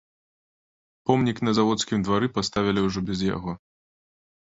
Помнік на заводскім двары паставілі ўжо без яго.